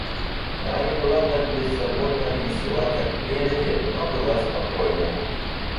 Она не была так беззаботна и весела как прежде, но была спокойна.